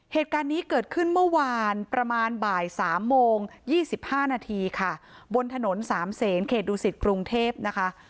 เหตุการณ์นี้เกิดขึ้นเมื่อวานประมาณบ่ายสามโมงยี่สิบห้านาทีค่ะบนถนนสามเศษเขตดูสิทธิ์กรุงเทพนะคะ